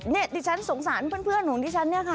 นี่ดิฉันสงสารเพื่อนของดิฉันเนี่ยค่ะ